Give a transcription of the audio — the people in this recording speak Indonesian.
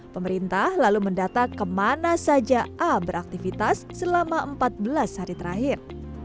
pemerintah lalu mendata kemana saja a beraktivitas selama empat belas hari terakhir